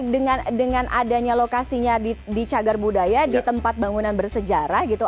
dan dengan adanya lokasinya di cagar budaya di tempat bangunan bersejarah gitu